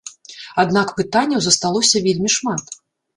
Аднак пытанняў засталося вельмі шмат.